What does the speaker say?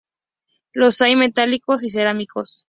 Los hay metálicos y cerámicos.